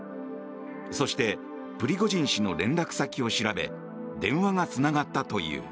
そして、プリゴジン氏の連絡先を調べ電話がつながったという。